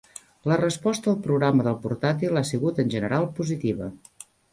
La resposta al programa del portàtil ha sigut en general positiva.